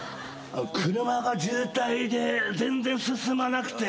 車が渋滞で全然進まなくて。